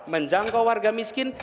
menjangkau warga miskin